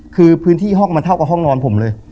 คือพื้นที่ห้องมันเท่ากับห้องนอนผมเลย